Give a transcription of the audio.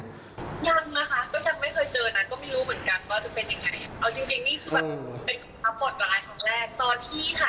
ยังนะคะก็ยังไม่เคยเจอนั่นก็ไม่รู้เหมือนกันว่าจะเป็นอย่างไร